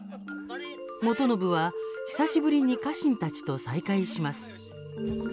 元信は、久しぶりに家臣たちと再会します。